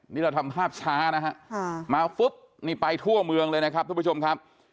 นี่เราทำภาพช้านะฮะมาปุ๊บนี่ไปทั่วเมืองเลยนะครับทุกผู้ชมครับ